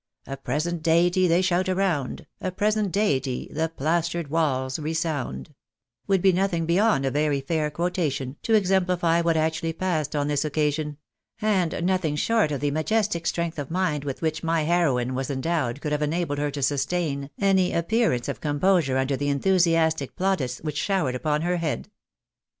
" A present Deity" they shout around, "A present Deity" t\i& plastered walls resound — would be nothing beyond a very fair quotation to exemphfy what actually passed on this occasion ; and nothing short of the majestic strength of mind with which my heroine was endowed could have enabled her to sustain any appearance of composure under the enthusiastic plaudits which showered upon her head.